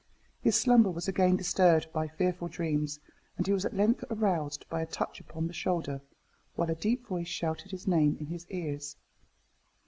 His slumber was again disturbed by fearful dreams; and he was at length aroused by a touch upon the shoulder, while a deep voice shouted his own name in her ears.